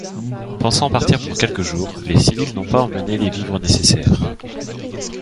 Pensant partir pour quelques jours, les civils n'ont pas emmené les vivres nécessaires.